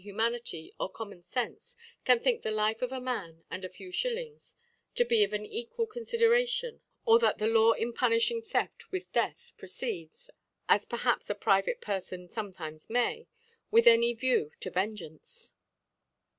Huma ( »87 ) Humanity or common Senfe can think the life of a Man and a few Shillings tp Tx of an equal Cofifideration, or that the Law in puniming Theft with Death proceeds (as perhaps a private Perfon fometimcs may) with any View to Vengeance.